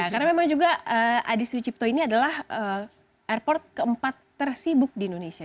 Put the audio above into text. karena memang juga adi sucipto ini adalah airport keempat tersibuk di indonesia